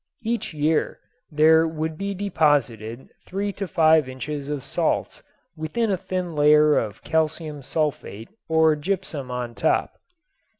Each year there would be deposited three to five inches of salts with a thin layer of calcium sulfate or gypsum on top.